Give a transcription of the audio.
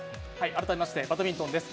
改めまして、バドミントンです。